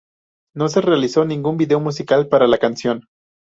No se realizó ningún vídeo musical para la canción.